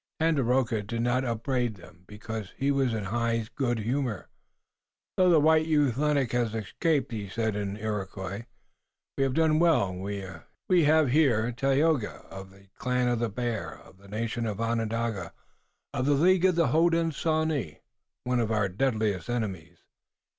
Tandakora did not upbraid them, because he was in high good humor. "Though the white youth, Lennox, has escaped," he said in Iroquois, "we have done well. We have here Tayoga, of the clan of the Bear, of the nation Onondaga, of the League of the Hodenosaunee, one of our deadliest enemies.